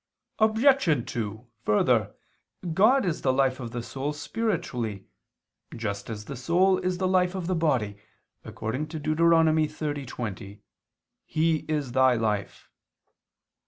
Obj. 2: Further, God is the life of the soul spiritually just as the soul is the life of the body, according to Deut. 30:20: "He is thy life."